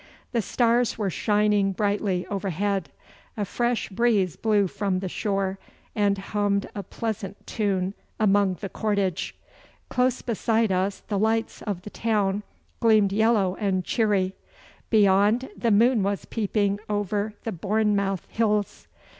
The stars were shining brightly overhead. A fresh breeze blew from the shore, and hummed a pleasant tune among the cordage. Close beside us the lights of the town gleamed yellow and cheery. Beyond, the moon was peeping over the Bournemouth hills.